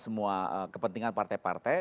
semua kepentingan partai partai